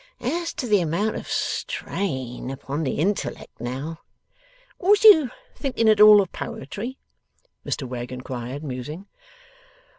As to the amount of strain upon the intellect now. Was you thinking at all of poetry?' Mr Wegg inquired, musing.